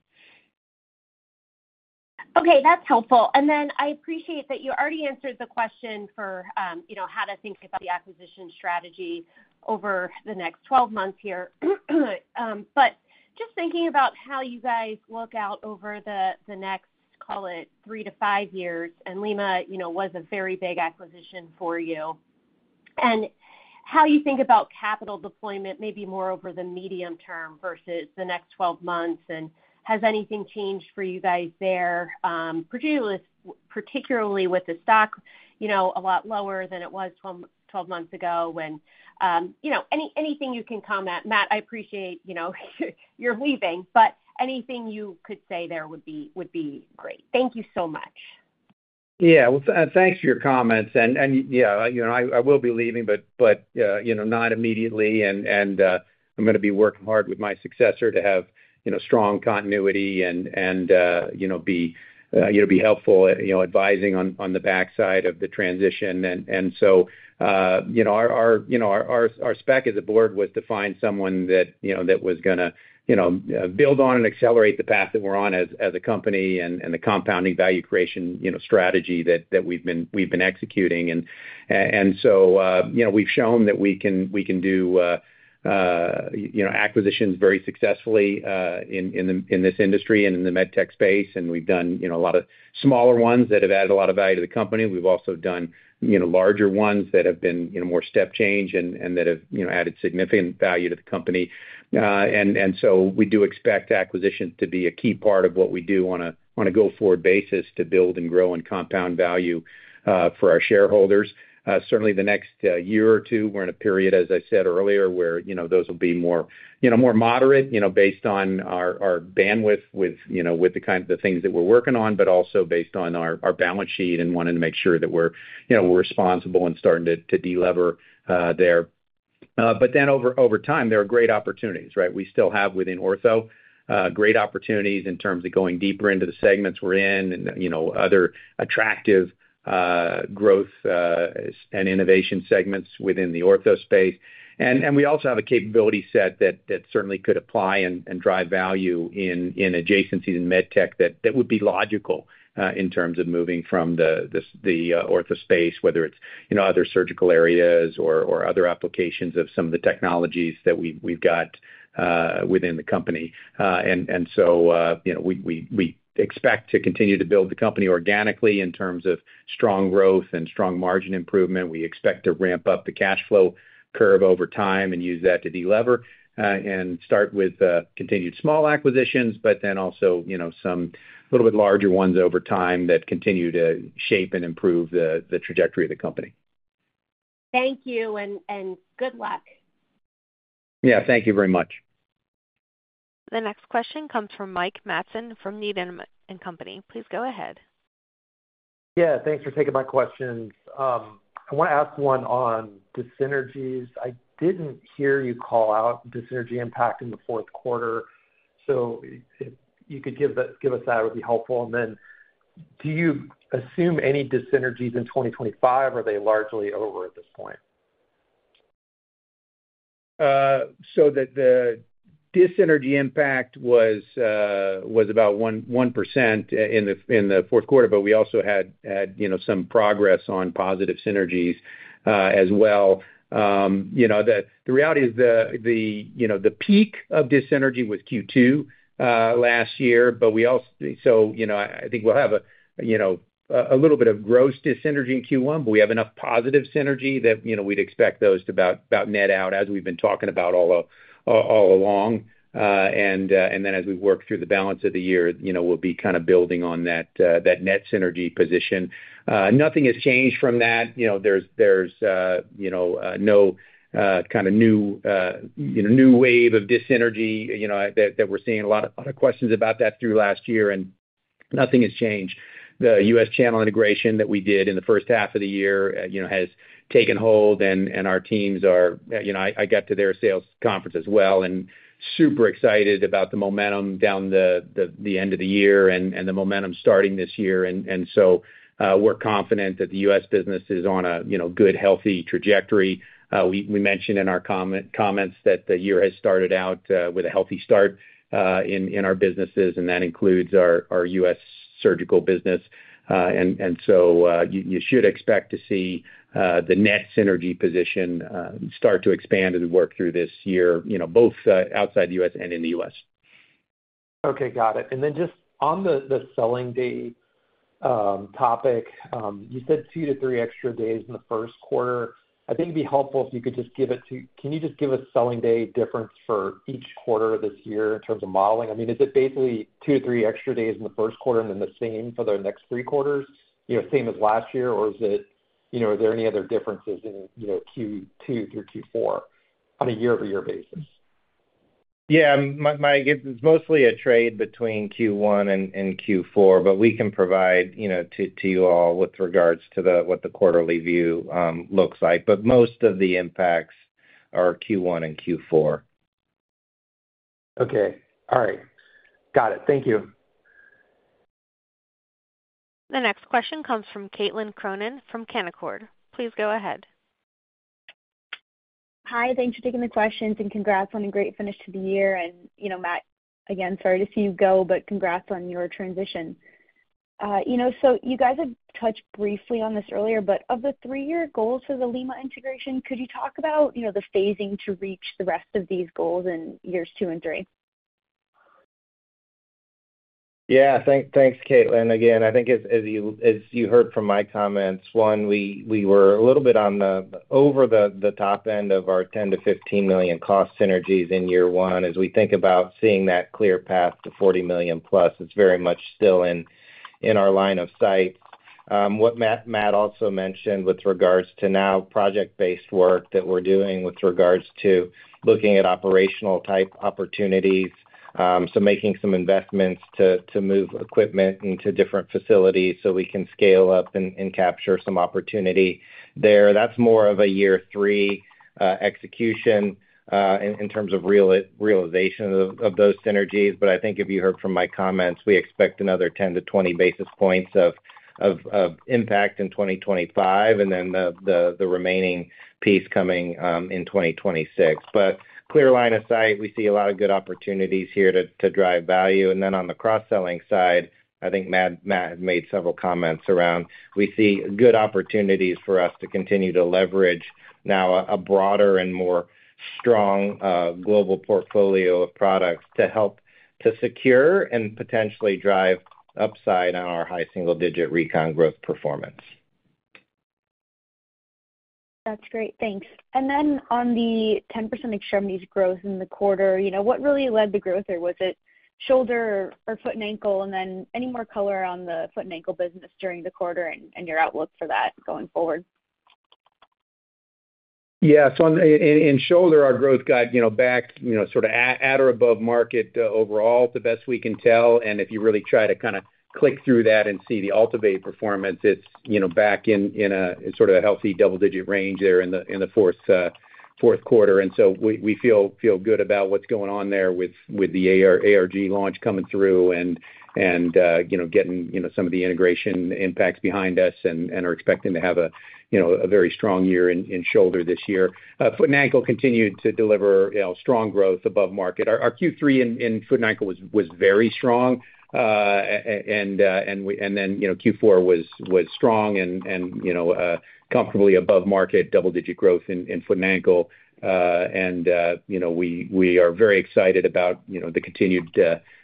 Okay. That's helpful and then I appreciate that you already answered the question for how to think about the acquisition strategy over the next 12 months here. But just thinking about how you guys look out over the next, call it, three-to-five years, and Lima was a very big acquisition for you, and how you think about capital deployment, maybe more over the medium term versus the next 12 months, and has anything changed for you guys there, particularly with the stock a lot lower than it was 12 months ago? And anything you can comment. Matt, I appreciate you're leaving, but anything you could say there would be great. Thank you so much. Yeah. Well, thanks for your comments. And yeah, I will be leaving, but not immediately. And I'm going to be working hard with my successor to have strong continuity and be helpful advising on the backside of the transition. And so our spec as a board was to find someone that was going to build on and accelerate the path that we're on as a company and the compounding value creation strategy that we've been executing. So, we've shown that we can do acquisitions very successfully in this industry and in the Medtech space and we've done a lot of smaller ones that have added a lot of value to the company. We've also done larger ones that have been more step change and that have added significant value to the company. So we do expect acquisitions to be a key part of what we do on a go-forward basis to build and grow and compound value for our shareholders. Certainly, the next year or two, we're in a period, as I said earlier, where those will be more moderate based on our bandwidth with the kind of things that we're working on, but also based on our balance sheet and wanting to make sure that we're responsible and starting to delever there. But then over time, there are great opportunities, right? We still have within Ortho great opportunities in terms of going deeper into the segments we're in and other attractive growth and innovation segments within the Ortho space. And we also have a capability set that certainly could apply and drive value in adjacencies in medtech that would be logical in terms of moving from the ortho space, whether it's other surgical areas or other applications of some of the technologies that we've got within the company. And so we expect to continue to build the company organically in terms of strong growth and strong margin improvement. We expect to ramp up the cash flow curve over time and use that to delever and start with continued small acquisitions, but then also some little bit larger ones over time that continue to shape and improve the trajectory of the company. Thank you and good luck. Yeah. Thank you very much. The next question comes from Mike Matson from Needham & Company. Please go ahead. Yeah. Thanks for taking my questions. I want to ask one on the synergies. I didn't hear you call out the synergy impact in the Q4. So if you could give us that, it would be helpful. And then do you assume any synergies in 2025? Are they largely over at this point? So the synergy impact was about 1% in the Q4, but we also had some progress on positive synergies as well. The reality is the peak of synergy was Q2 last year. So I think we'll have a little bit of gross synergy in Q1, but we have enough positive synergy that we'd expect those to about net out as we've been talking about all along. And then as we work through the balance of the year, we'll be kind of building on that net synergy position. Nothing has changed from that. There's no kind of new wave of synergy that we're seeing. A lot of questions about that through last year, and nothing has changed. The U.S. channel integration that we did in the first half of the year has taken hold, and our teams are. I got to their sales conference as well and super excited about the momentum into the end of the year and the momentum starting this year. And so we're confident that the U.S. business is on a good, healthy trajectory. We mentioned in our comments that the year has started out with a healthy start in our businesses, and that includes our U.S. surgical business. And so you should expect to see the net synergy position start to expand as we work through this year, both outside the U.S. and in the U.S. Okay. Got it. And then just on the selling day topic, you said two to three extra days in the Q1. I think it'd be helpful if you could just give a selling day difference for each quarter of this year in terms of modeling. I mean, is it basically two to three extra days in the Q1 and then the same for the next three quarters, same as last year? Or are there any other differences in Q2 through Q4 on a year-over-year basis? Yeah. It's mostly a trade between Q1 and Q4, but we can provide to you all with regards to what the quarterly view looks like. But most of the impacts are Q1 and Q4. Okay. All right. Got it. Thank you. The next question comes from Caitlin Cronin from Canaccord. Please go ahead. Hi. Thanks for taking the questions. And congrats on a great finish to the year. And Matt, again, sorry to see you go, but congrats on your transition. So you guys have touched briefly on this earlier, but of the three-year goals for the Lima integration, could you talk about the phasing to reach the rest of these goals in years two and three? Yeah. Thanks, Caitlin. Again, I think as you heard from my comments, one, we were a little bit over the top end of our $10 million-$15 million cost synergies in year one. As we think about seeing that clear path to $40 million plus, it's very much still in our line of sight. What Matt also mentioned with regards to now project-based work that we're doing with regards to looking at operational-type opportunities, so making some investments to move equipment into different facilities so we can scale up and capture some opportunity there. That's more of a year three execution in terms of realization of those synergies. But I think if you heard from my comments, we expect another 10-20 basis points of impact in 2025, and then the remaining piece coming in 2026. But clear line of sight, we see a lot of good opportunities here to drive value. And then on the cross-selling side, I think Matt had made several comments around we see good opportunities for us to continue to leverage now a broader and more strong global portfolio of products to help to secure and potentially drive upside on our high single-digit Recon growth performance. That's great. Thanks. And then on the 10% Extremities growth in the quarter, what really led the growth? Or was it shoulder or foot and ankle? And then any more color on the foot and ankle business during the quarter and your outlook for that going forward? Yeah. So in shoulder, our growth got back sort of at or above market overall, the best we can tell. And if you really try to kind of click through that and see the AltiVate performance, it's back in sort of a healthy double-digit range there in the Q4. And so we feel good about what's going on there with the ARVIS launch coming through and getting some of the integration impacts behind us and are expecting to have a very strong year in shoulder this year. Foot and ankle continued to deliver strong growth above market. Our Q3 in foot and ankle was very strong. And then Q4 was strong and comfortably above market double-digit growth in foot and ankle. And we are very excited about the continued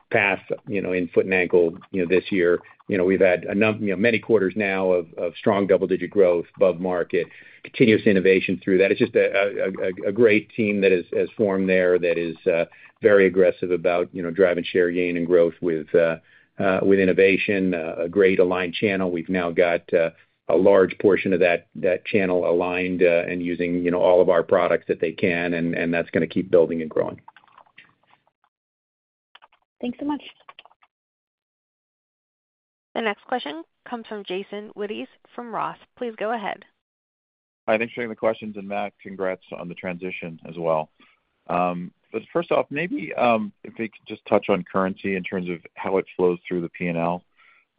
path in foot and ankle this year. We've had many quarters now of strong double-digit growth above market, continuous innovation through that. It's just a great team that has formed there that is very aggressive about driving share gain and growth with innovation, a great aligned channel. We've now got a large portion of that channel aligned and using all of our products that they can, and that's going to keep building and growing. Thanks so much. The next question comes from Jason Wittes from Roth. Please go ahead. Hi. Thanks for taking the questions. And Matt, congrats on the transition as well. But first off, maybe if we could just touch on currency in terms of how it flows through the P&L.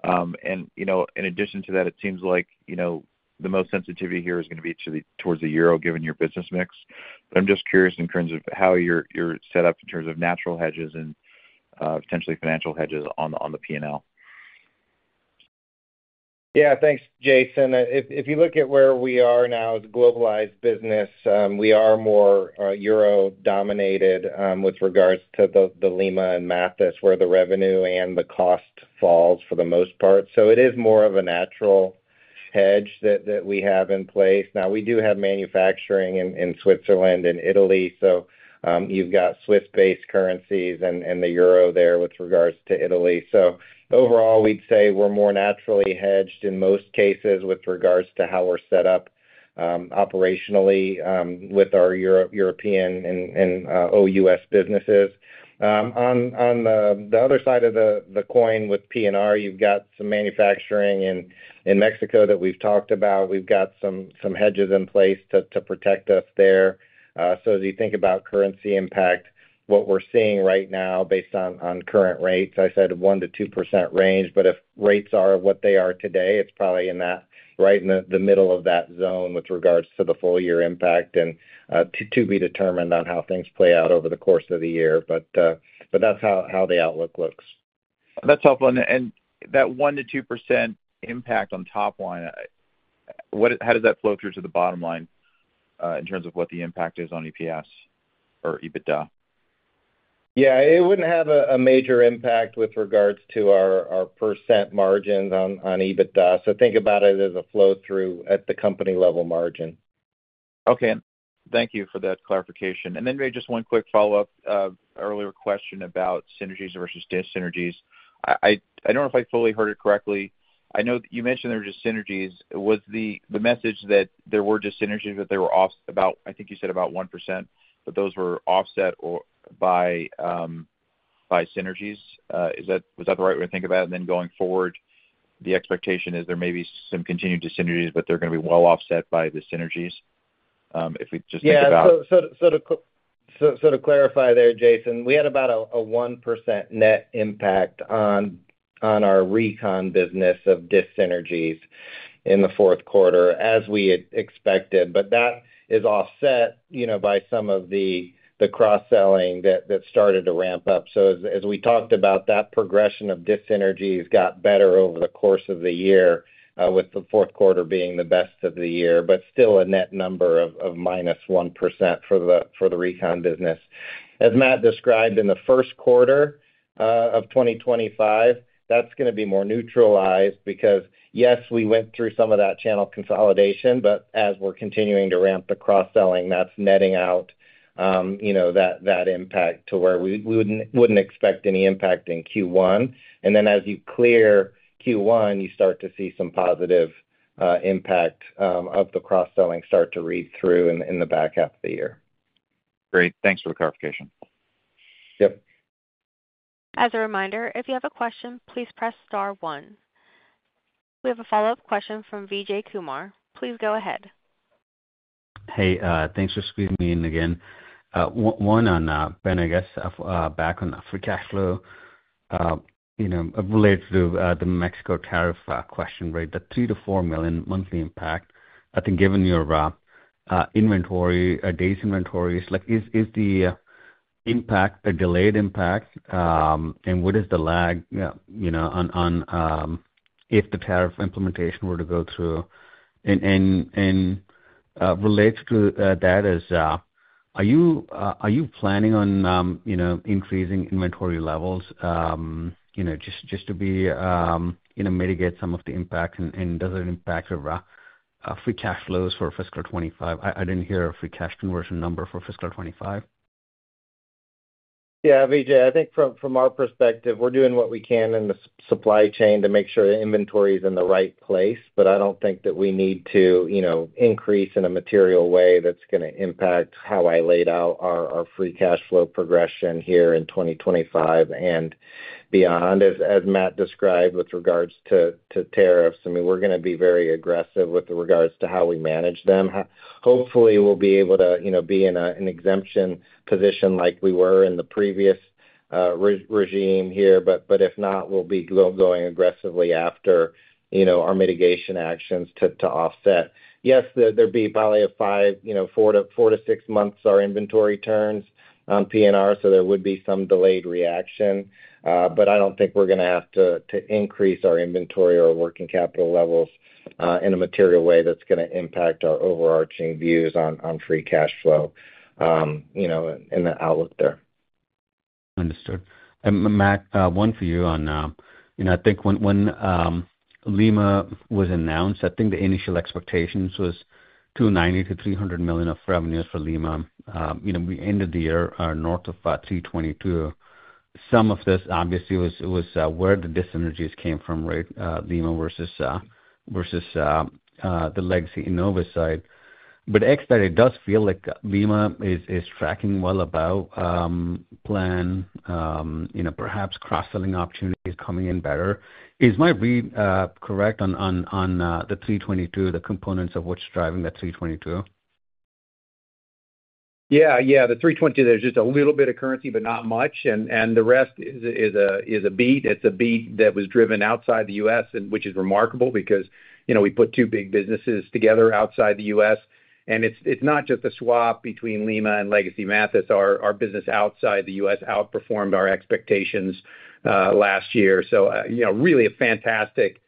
And in addition to that, it seems like the most sensitivity here is going to be towards the euro given your business mix. But I'm just curious in terms of how you're set up in terms of natural hedges and potentially financial hedges on the P&L. Yeah. Thanks, Jason. If you look at where we are now as a globalized business, we are more Euro-dominated with regards to the Lima and Mathys, where the revenue and the cost falls for the most part, so it is more of a natural hedge that we have in place. Now, we do have manufacturing in Switzerland and Italy, so you've got Swiss-based currencies and the euro there with regards to Italy. Overall, we'd say we're more naturally hedged in most cases with regards to how we're set up operationally with our European and OUS businesses. On the other side of the coin with P&R, you've got some manufacturing in Mexico that we've talked about. We've got some hedges in place to protect us there. So as you think about currency impact, what we're seeing right now based on current rates, I said 1%-2% range, but if rates are what they are today, it's probably in the middle of that zone with regards to the full-year impact and to be determined on how things play out over the course of the year. But that's how the outlook looks. That's helpful. That 1%-2% impact on top line, how does that flow through to the bottom line in terms of what the impact is on EPS or EBITDA? Yeah. It wouldn't have a major impact with regards to our percent margins on EBITDA. So think about it as a flow-through at the company-level margin. Okay. Thank you for that clarification. And then maybe just one quick follow-up earlier question about synergies versus dis-synergies. I don't know if I fully heard it correctly. I know you mentioned there were dis-synergies. Was the message that there were dis-synergies, but they were off about, I think you said about 1%, but those were offset by synergies? Was that the right way to think about it? And then going forward, the expectation is there may be some continued dis-synergies, but they're going to be well offset by the synergies if we just think about. Yeah. So to clarify there, Jason, we had about a 1% net impact on our Recon business of dis-synergies in the Q4 as we expected, but that is offset by some of the cross-selling that started to ramp up. So as we talked about, that progression of dis-synergies got better over the course of the year with the Q4 being the best of the year, but still a net number of minus 1% for the Recon business. As Matt described, in the Q1 of 2025, that's going to be more neutralized because, yes, we went through some of that channel consolidation, but as we're continuing to ramp the cross-selling, that's netting out that impact to where we wouldn't expect any impact in Q1. And then as you clear Q1, you start to see some positive impact of the cross-selling start to read through in the back half of the year. Great. Thanks for the clarification. Yep. As a reminder, if you have a question, please press star one. We have a follow-up question from Vijay Kumar. Please go ahead. Hey, thanks for speaking with me again. One on, Ben, I guess, back on free cash flow related to the Mexico tariff question, right? The $3 million-$4 million monthly impact, I think given your inventory, days inventories, is the impact a delayed impact? And what is the lag on if the tariff implementation were to go through? And related to that is, are you planning on increasing inventory levels just to mitigate some of the impact? And does it impact your free cash flows for fiscal 2025? I didn't hear a free cash conversion number for fiscal 2025. Yeah, Vijay, I think from our perspective, we're doing what we can in the supply chain to make sure the inventory is in the right place, but I don't think that we need to increase in a material way that's going to impact how I laid out our free cash flow progression here in 2025 and beyond. As Matt described with regards to tariffs, I mean, we're going to be very aggressive with regards to how we manage them. Hopefully, we'll be able to be in an exemption position like we were in the previous regime here. But if not, we'll be going aggressively after our mitigation actions to offset. Yes, there'd be probably a four-to-six months our inventory turns on P&R, so there would be some delayed reaction. But I don't think we're going to have to increase our inventory or working capital levels in a material way that's going to impact our overarching views on free cash flow and the outlook there. Understood. And Matt, one for you on, I think when Lima was announced, I think the initial expectations was $290 million-$300 million of revenues for Lima. We ended the year north of $322 million. Some of this, obviously, was where the disynergies came from, right? Lima versus the legacy Enovis side. But yes, that it does feel like Lima is tracking well above plan, perhaps cross-selling opportunities coming in better. Is my read correct on the $322 million, the components of what's driving that $322 million? Yeah. Yeah. The 322, there's just a little bit of currency, but not much. And the rest is a beat. It's a beat that was driven outside the U.S., which is remarkable because we put two big businesses together outside the U.S. And it's not just a swap between Lima and legacy Mathys. Our business outside the U.S. outperformed our expectations last year. So really a fantastic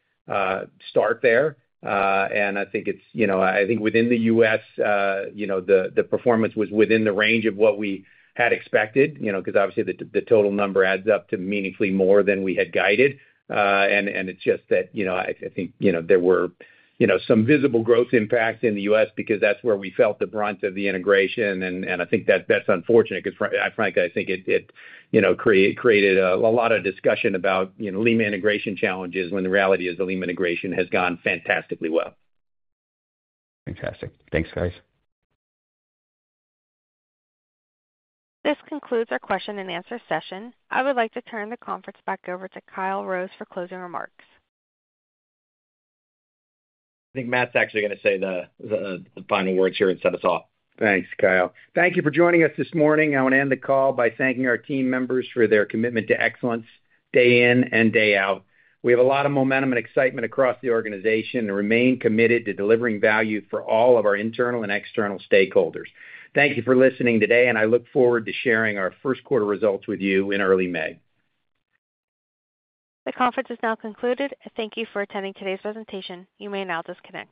start there. And I think it's within the U.S., the performance was within the range of what we had expected because, obviously, the total number adds up to meaningfully more than we had guided. And it's just that I think there were some visible growth impacts in the U.S. because that's where we felt the brunt of the integration. I think that's unfortunate because, frankly, I think it created a lot of discussion about Lima integration challenges when the reality is the Lima integration has gone fantastically well. Fantastic. Thanks, guys. This concludes our question and answer session. I would like to turn the conference back over to Kyle Rose for closing remarks. I think Matt's actually going to say the final words here and set us off. Thanks, Kyle. Thank you for joining us this morning. I want to end the call by thanking our team members for their commitment to excellence day in and day out. We have a lot of momentum and excitement across the organization and remain committed to delivering value for all of our internal and external stakeholders. Thank you for listening today, and I look forward to sharing our Q1 results with you in early May. The conference is now concluded. Thank you for attending today's presentation. You may now disconnect.